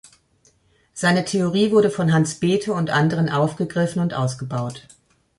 Seine Theorie wurde von Hans Bethe und anderen aufgegriffen und ausgebaut.